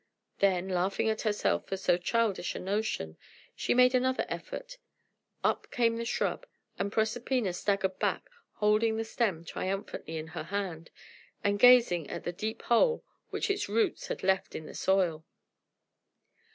Then, laughing at herself for so childish a notion, she made another effort; up came the shrub, and Proserpina staggered back, holding the stem triumphantly in her hand, and gazing at the deep hole which its roots had left in the soil.